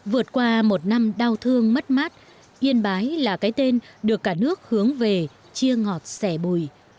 vượt qua một năm đau thương mất mát yên bái là cái tên được cả nước hướng về chia ngọt sẻ bùi